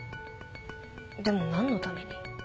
でも何のために？